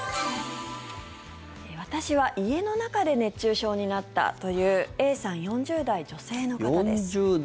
私は家の中で熱中症になったという４０代女性の方。